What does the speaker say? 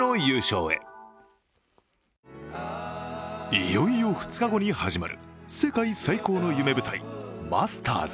いよいよ２日後に始まる世界最高の夢舞台、マスターズ。